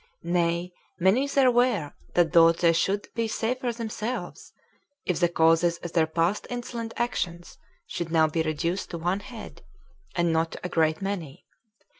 Nay, many there were that thought they should be safer themselves, if the causes of their past insolent actions should now be reduced to one head, and not to a great many.